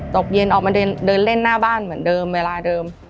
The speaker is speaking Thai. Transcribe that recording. ตกเย็นออกมาเดินเล่นหน้าบ้านเหมือนเดิมเวลาเดิม